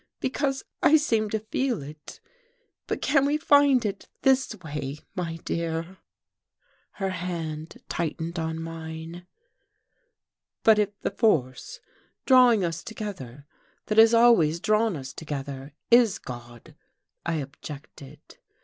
Because I seem to feel it. But can we find it this way, my dear?" Her hand tightened on mine. "But if the force drawing us together, that has always drawn us together, is God?" I objected.